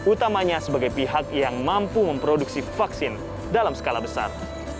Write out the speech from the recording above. utamanya sebagai pihak yang mampu memproduksi vaksin dalam skala besar